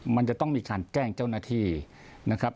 มันจะต้องมีการแจ้งเจ้าหน้าที่นะครับ